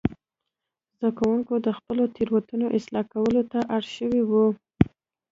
زده کوونکي د خپلو تېروتنو اصلاح کولو ته اړ شوي وو.